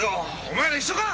お前ら一緒か！